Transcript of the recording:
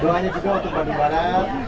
doanya juga untuk bandung barat